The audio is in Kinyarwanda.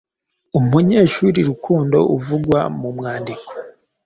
Umunyeshuri Rukundo uvugwa mu mwandiko